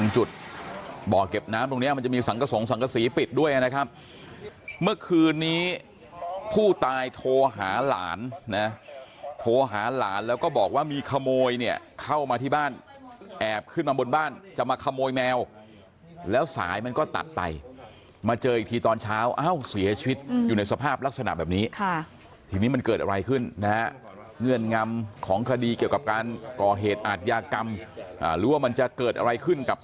จุดบ่อเก็บน้ำตรงนี้มันจะมีสังกษงสังกษีปิดด้วยนะครับเมื่อคืนนี้ผู้ตายโทรหาหลานนะโทรหาหลานแล้วก็บอกว่ามีขโมยเนี่ยเข้ามาที่บ้านแอบขึ้นมาบนบ้านจะมาขโมยแมวแล้วสายมันก็ตัดไปมาเจออีกทีตอนเช้าเอ้าเสียชีวิตอยู่ในสภาพลักษณะแบบนี้ทีนี้มันเกิดอะไรขึ้นนะฮะเงื่อนงำของคดีเกี่ยวกับการก่อเหตุอาทยากรรมหรือว่ามันจะเกิดอะไรขึ้นกับ